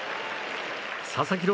佐々木朗